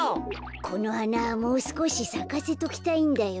このはなもうすこしさかせときたいんだよ。